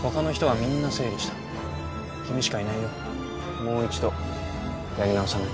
もう一度やり直さない？